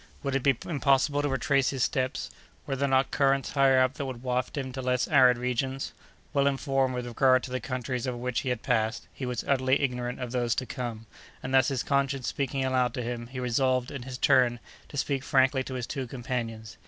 Would it be impossible to retrace his steps? Were there not currents higher up that would waft him to less arid regions? Well informed with regard to the countries over which he had passed, he was utterly ignorant of those to come, and thus his conscience speaking aloud to him, he resolved, in his turn, to speak frankly to his two companions.